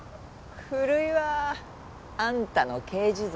古いわあんたの刑事像